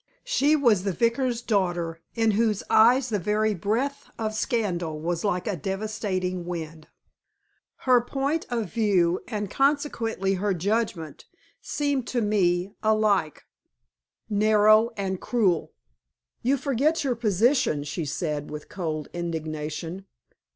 She was the vicar's daughter, in whose eyes the very breath of scandal was like a devastating wind. Her point of view, and consequently her judgment, seemed to me alike narrow and cruel. "You forget your position," she said, with cold indignation.